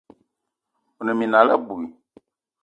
One minal abui.